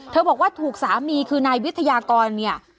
บอกว่าถูกสามีคือนายวิทยากรเนี่ย